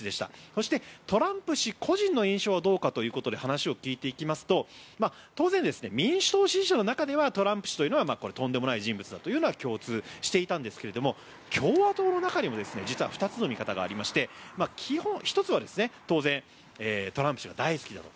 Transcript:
そして、トランプ氏個人の印象はどうかということで話を聞いていきますと当然、民主党支持者の中ではトランプ氏はとんでもない人物というのは共通していたんですが共和党の中には実は２つの見方がありまして基本、１つは当然トランプ氏が大好きだと。